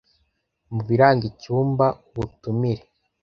Mubiranga icyumba, ubutumire